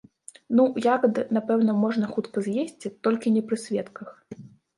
Ну, ягады, напэўна, можна хутка з'есці, толькі не пры сведках.